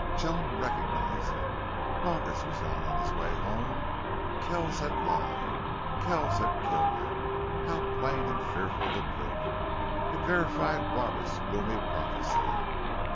Joan recognized it. Roberts was not on his way home. Kells had lied. Kells had killed him. How plain and fearful the proof! It verified Roberts's gloomy prophecy.